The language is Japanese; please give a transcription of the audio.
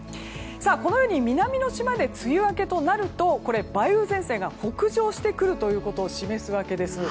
このように南の島で梅雨明けとなると梅雨前線が北上してくることを示すわけです。